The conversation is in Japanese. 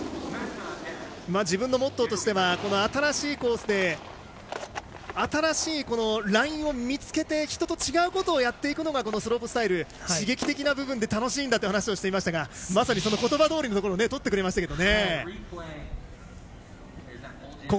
自分のモットーとしては新しいコースで新しいラインを見つけて人と違うことをやっていくのがスロープスタイル刺激的な部分で楽しいんだという話をしていましたがまさにその言葉どおりのことをやってくれました。